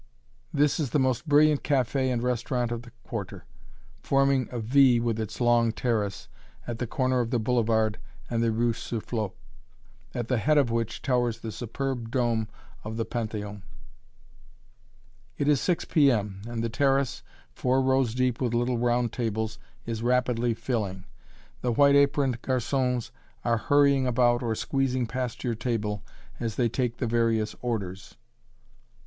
This is the most brilliant café and restaurant of the Quarter, forming a V with its long terrace, at the corner of the boulevard and the rue Soufflot, at the head of which towers the superb dome of the Panthéon. [Illustration: (view of Panthéon from Luxembourg gate)] It is 6 P.M. and the terrace, four rows deep with little round tables, is rapidly filling. The white aproned garçons are hurrying about or squeezing past your table, as they take the various orders.